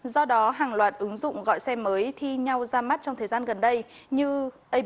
do đó hàng loạt ứng dụng gọi xe mới thi nhau ra mắt trong thời gian gần đây như uber fastgo hay t net